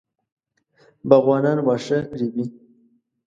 باغوانان واښه رېبي.